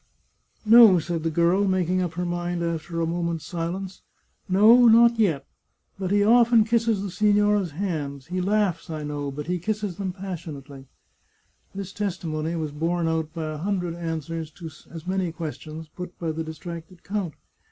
" No," said the girl, making up her mind after a mo ment's silence. " No, not yet ; but he often kisses the sig nora's hands. He laughs, I know, but he kisses them pas sionately." This testimony was borne out by a hundred answers to as many questions put by the distracted count.